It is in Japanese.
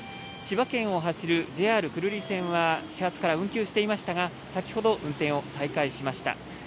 千葉県を走るＪＲ久留里線は始発から運休していましたが、先ほど、運転を再開しました。